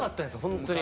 ホントに。